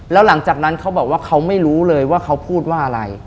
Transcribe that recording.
แล้วหลังจากนั้นเขาบอกว่าเขาไม่รู้เลยว่าเขาพูดว่าอะไร